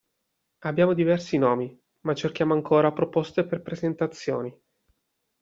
Abbiamo diversi nomi ma cerchiamo ancora proposte per presentazioni!